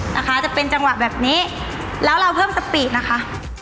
นะคะจะเป็นจังหวะแบบนี้แล้วเราเพิ่มสปีดนะคะ